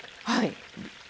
はい。